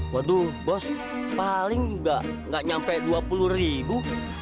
waduh bos paling juga nggak sampai dua puluh ribu